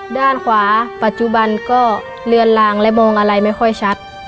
ด้านขวาปัจจุบันก็เลือนลางและมองอะไรไม่ค่อยชัด